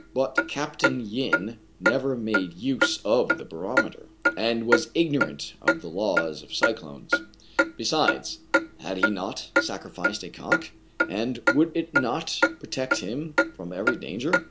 But Capt. Yin never made use of the barometer, and was ignorant of the laws of cyclones. Be sides, had he not sacrificed a cock } and would it not protect him from every danger ?